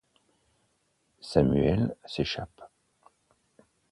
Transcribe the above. Samuel s’échappe.